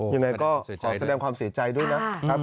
ยังไงก็ขอแสดงความเสียใจด้วยนะครับ